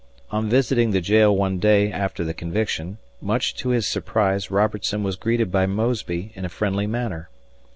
Onvisiting the jail one day after the conviction, much to his surprise Robertson was greeted by Mosby in a friendly manner.